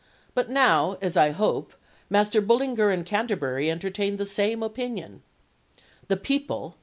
But now, as I hope, Master Bullinger and Canterbury entertain the same opinion." "The people